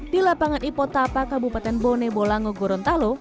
di lapangan ipotapa kabupaten bonebolango gorontalo